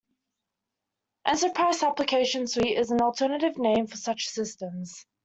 "Enterprise application suite" is an alternate name for such systems.